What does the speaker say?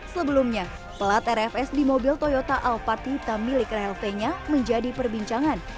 sebelumnya pelat rfs di mobil toyota alpatita milik rahel fenya menjadi perbincangan